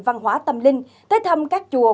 văn hóa tâm linh tới thăm các chùa